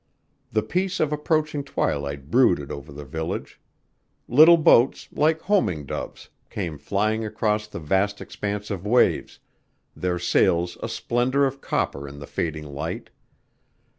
The peace of approaching twilight brooded over the village. Little boats, like homing doves, came flying across the vast expanse of waves, their sails a splendor of copper in the fading light.